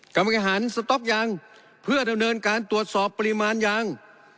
กรรมการหันสต๊อกยางเพื่อดำเนินการตรวจสอบปริมาณยาง